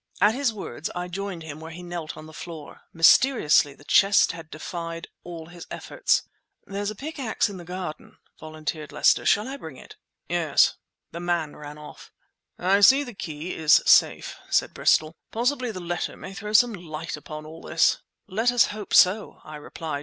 At his words, I joined him where he knelt on the floor. Mysteriously, the chest had defied all his efforts. "There's a pick axe in the garden," volunteered Lester. "Shall I bring it?" "Yes." The man ran off. "I see the key is safe," said Bristol. "Possibly the letter may throw some light upon all this." "Let us hope so," I replied.